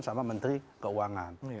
sama menteri keuangan